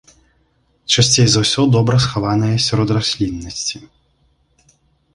Часцей за ўсё добра схаванае сярод расліннасці.